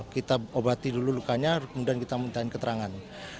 kita obati dulu lukanya kemudian kita minta keterangan